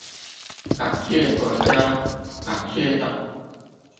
感謝國家感謝黨